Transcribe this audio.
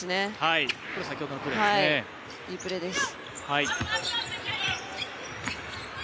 いいプレーです。